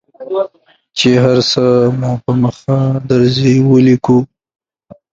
چې هر څه مو په مخه درځي ولیکو.